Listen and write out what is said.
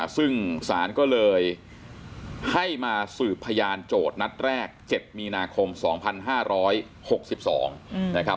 ซึ่งศาลก็เลยให้มาสืบพยานโจทย์นัดแรก๗มีนาคม๒๕๖๒นะครับ